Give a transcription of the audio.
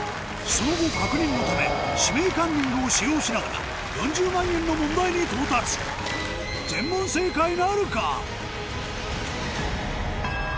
その後確認のため「指名カンニング」を使用しながら４０万円の問題に到達全問正解なるか？